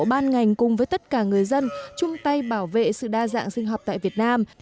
ban ngành cùng với tất cả người dân chung tay bảo vệ sự đa dạng sinh học tại việt nam